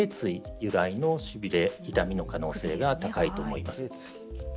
由来のしびれ痛みの可能性が高いと思います。